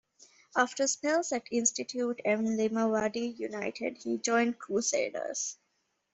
After spells at Institute and Limavady United, he joined Crusaders.